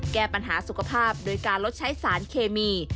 แก้ปัญหาสุขภาพโดยการลดใช้สารเคมี